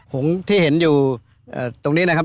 หงที่เห็นอยู่ตรงนี้นะครับ